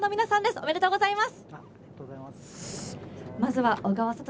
ありがとうございます。